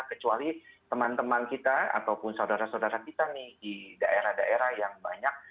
kecuali teman teman kita ataupun saudara saudara kita nih di daerah daerah yang banyak